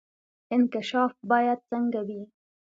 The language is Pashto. انکشاف باید څنګه وي؟